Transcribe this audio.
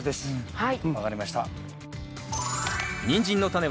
はい。